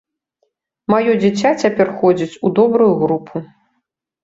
Маё дзіця цяпер ходзіць у добрую групу.